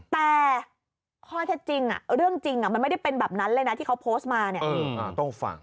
แต่ข้อเท็จจริงเรื่องจริงมันไม่ได้เป็นแบบนั้นเลยนะที่เขาโพสต์มาเนี่ยต้องฟัง